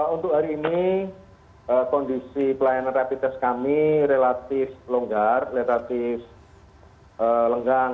untuk hari ini kondisi pelayanan rapid test kami relatif longgar relatif lenggang